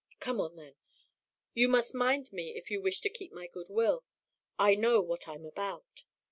"Come on, then! You must mind me if you wish to keep my good will. I know what I'm about."